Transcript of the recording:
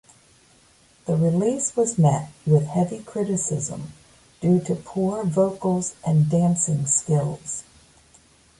The release was met with heavy criticism due to poor vocals and dancing skills.